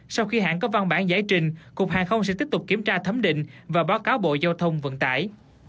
sau khi hãng có văn bản giải trình cục hàng không sẽ tiếp tục kiểm tra thấm định và báo cáo bộ giao thông vận tải